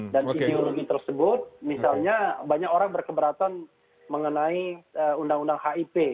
dan ideologi tersebut misalnya banyak orang berkeberatan mengenai undang undang hip